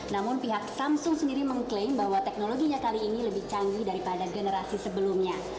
namun pihak samsung sendiri mengklaim bahwa teknologinya kali ini lebih canggih daripada generasi sebelumnya